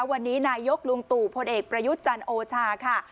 วันนี้นายกลุงตู่พลเอกประยุทธ์จันทร์โอชาค่ะ